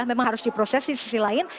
memang harus diproses di sisi lain